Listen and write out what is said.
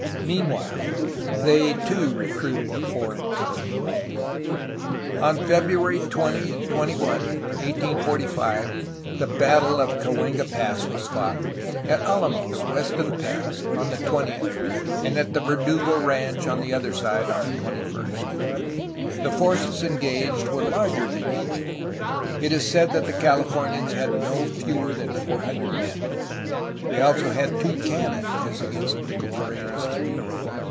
Meanwhile they too recruited a foreign company! On February 20 and 21, 1845, the battle of Cahuenga Pass was fought, — at Alamos, west of the pass, on the 20th, and at the Verdugo ranch, on the other side, on the 21st. The forces engaged were larger than usual; it is said that the Calif omians had no fewer than four hundred men. They also had two cannon as against Micheltorena's^ three.